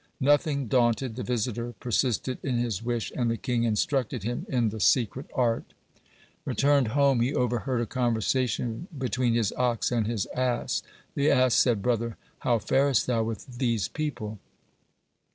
Nothing daunted, the visitor persisted in his wish, and the king instructed him in the secret art. Returned home, he overheard a conversation between his ox and his ass. The ass said: "Brother, how farest thou with these people?"